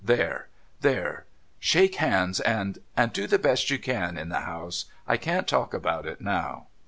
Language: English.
There ! there ! shake hands ; and — and do the best you can in the house — I can't talk about it now.'